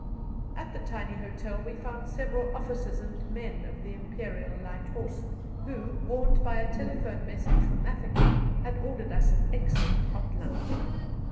At the tiny hotel we found several officers and men of the Imperial Light Horse, who, warned by a telephone message from Mafeking, had ordered us an excellent hot lunch.